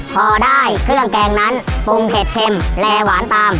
พอได้เครื่องแกงนั้นปรุงเผ็ดเค็มและหวานตาม